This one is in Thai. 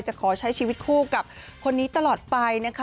จะขอใช้ชีวิตคู่กับคนนี้ตลอดไปนะคะ